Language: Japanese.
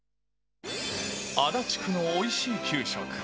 足立区のおいしい給食。